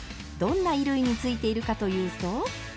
どんな衣類についているかというと。